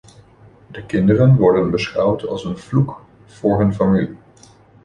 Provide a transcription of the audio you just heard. De kinderen worden beschouwd als een vloek voor hun familie.